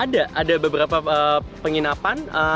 ada ada beberapa penginapan